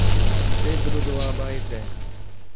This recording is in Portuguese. Cedro do Abaeté